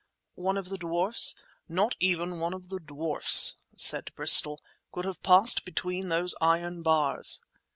"One of the dwarfs—" "Not even one of the dwarfs," said Bristol, "could have passed between those iron bars!"